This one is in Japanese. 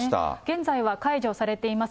現在は解除されています